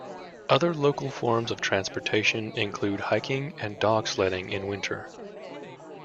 Other local forms of transportation include hiking and dog-sledding in winter.